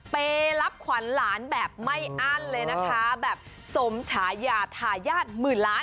ไปรับขวัญหลานแบบไม่อั้นเลยนะคะแบบสมฉายาทายาทหมื่นล้าน